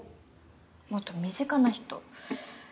もっと身近な人。